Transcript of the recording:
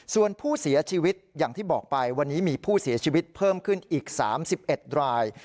ส่วนผู้เสียชีวิตอย่างที่บอกไปวันนี้มีผู้เสียชีวิตเพิ่มขึ้นอีก๓๑ราย